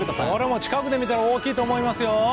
近くで見たらこれ、大きいと思いますよ。